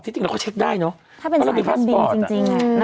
ที่จริงเราก็เช็คได้เนอะถ้าเป็นสายการดินจริงจริงอ่ะอืม